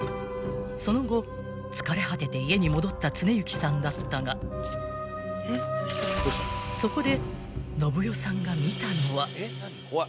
［その後疲れ果てて家に戻った常幸さんだったがそこで伸代さんが見たのは］